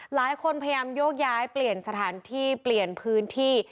พยายามโยกย้ายเปลี่ยนสถานที่เปลี่ยนพื้นที่